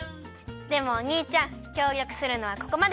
でもおにいちゃんきょうりょくするのはここまで！